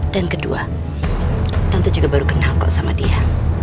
dan kedua tante juga baru kenal kok sama dia